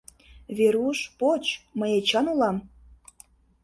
— Веруш, поч, мый Эчан улам!